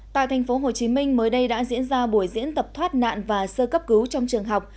tại thành phố hồ chí minh mới đây đã diễn ra buổi diễn tập thoát nạn và sơ cấp cứu trong trường học